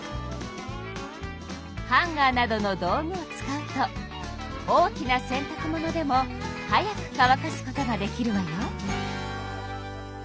ハンガーなどの道具を使うと大きな洗たく物でも早く乾かすことができるわよ。